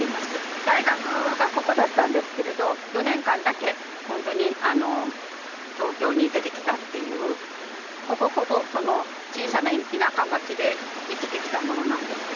大学がここだったんですけれど４年間だけほんとに東京に出てきたっていうほぼほぼその小さな田舎町で生きてきた者なんですけど。